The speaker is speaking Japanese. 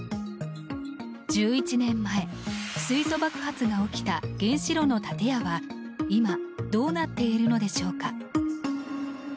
１１年前、水素爆発が起きた原子炉の建屋は今どうなっているのでしょうか。